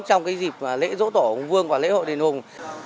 trong dịp lễ dỗ tổ hùng vương và lễ hội đền hùng